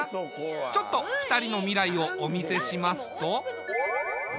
ちょっと２人の未来をお見せしますと。